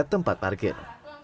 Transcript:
pada tempat target